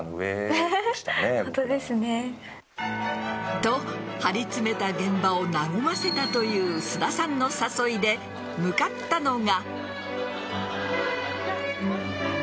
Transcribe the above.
と、張り詰めた現場を和ませたという菅田さんの誘いで向かったのが。